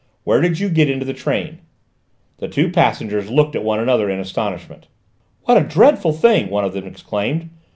Where did you get into the train?" The two passengers looked at one another in astonishment. "What a dreadful thing!" one of them exclaimed.